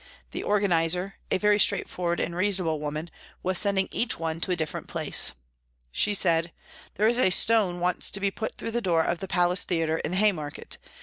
The organiser, a very straightforward and reasonable woman, was sending each one to a different place. She said, " There is a stone wants to be put through the door of the Palace Theatre in the Haymarket.